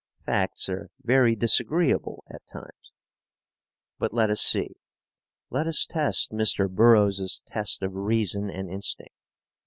Facts are very disagreeable at times. But let us see. Let us test Mr. Burroughs's test of reason and instinct.